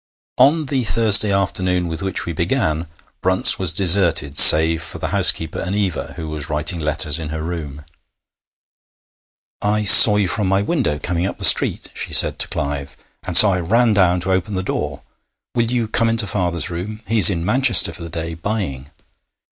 On the Thursday afternoon with which we began, Brunt's was deserted save for the housekeeper and Eva, who was writing letters in her room. 'I saw you from my window, coming up the street,' she said to Clive, 'and so I ran down to open the door. Will you come into father's room? He is in Manchester for the day, buying.